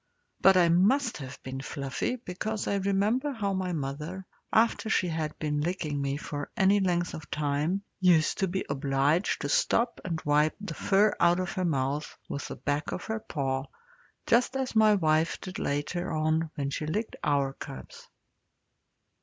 But I must have been fluffy, because I remember how my mother, after she had been licking me for any length of time, used to be obliged to stop and wipe the fur out of her mouth with the back of her paw, just as my wife did later on when she licked our cubs.